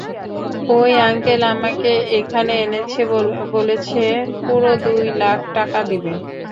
ওই আঙ্কেল আমাকে এখানে এনেছে বলেছে পুরো দুই লাখ টাকা দিবে।